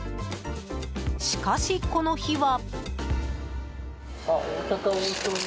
しかし、この日は。